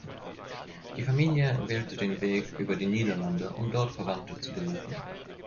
Die Familie wählte den Weg über die Niederlande, um dort Verwandte zu besuchen.